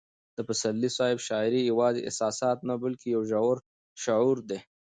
د پسرلي صاحب شاعري یوازې احساسات نه بلکې یو ژور شعور دی.